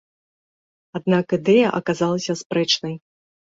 Аднак ідэя аказалася спрэчнай.